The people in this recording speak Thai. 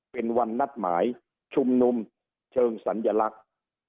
เป็นวันนัดหมายชุมนุมเชิงสัญลักษณ์